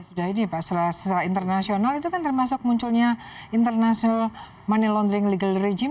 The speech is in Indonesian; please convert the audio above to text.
sudah ini pak secara internasional itu kan termasuk munculnya international money laundering legal regime